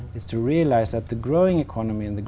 và điều này tôi nghĩ là một năng lượng